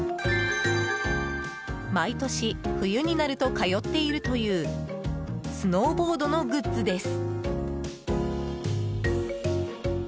毎年冬になると通っているというスノーボードのグッズです。